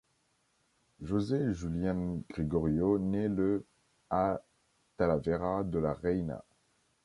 José Julián Gregorio nait le à Talavera de la Reina.